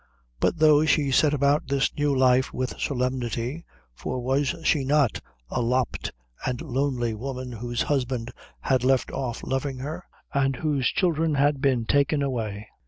But though she set about this new life with solemnity for was she not a lopped and lonely woman whose husband had left off loving her and whose children had been taken away?